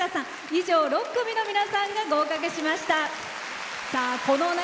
以上、６組の皆さんが合格しました。